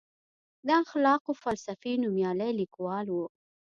د اخلاقو د فلسفې نوميالی لیکوال و.